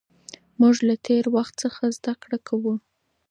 موږ له تېر وخت څخه زده کړه کوو.